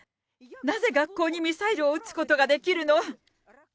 なぜ学校にミサイルを撃つことができるの？